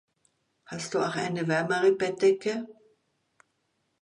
Hast du auch eine wärmere Bettdecke?